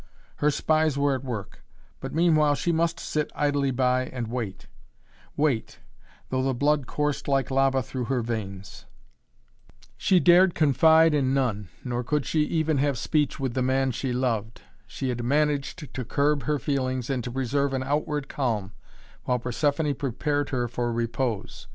Her spies were at work, but meanwhile she must sit idly by and wait wait, though the blood coursed like lava through her veins. She dared confide in none, nor could she even have speech with the man she loved. She had managed to curb her feelings and to preserve an outward calm, while Persephoné prepared her for repose.